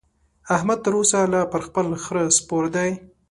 احمد تر اوسه لا پر خپل خره سپور دی.